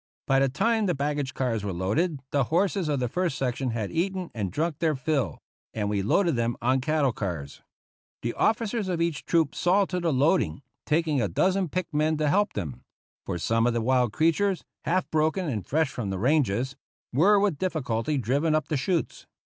By the time the baggage cars were loaded the horses of the first section had eaten and drunk their fill, and we loaded them on cattle cars. The officers of each troop saw to the loading, taking a dozen picked men to help them ; for some of the wild creatures, half broken and fresh from the ranges, were with difficulty driven up the chutes.